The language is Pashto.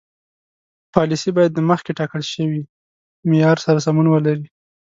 پالیسي باید د مخکې ټاکل شوي معیار سره سمون ولري.